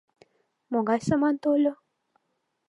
Могай саман тольо?..